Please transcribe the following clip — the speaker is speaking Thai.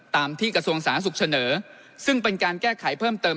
ตามที่กระทรวงสาธารณสุขเสนอซึ่งเป็นการแก้ไขเพิ่มเติม